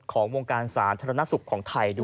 ของวงการสารธรรมนาศุกร์ของไทยด้วย